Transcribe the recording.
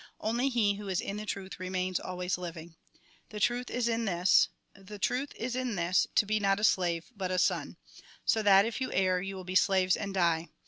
Only he who is in the truth remains always living. The truth is in this, to be not a slave, but a son. So that, if you err, you will be slaves and die.